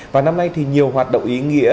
và năm nay thì nhiều hoạt động ý nghĩa